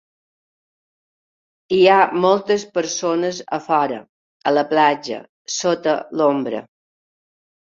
Hi ha moltes persones a fora, a la platja, sota l'ombra.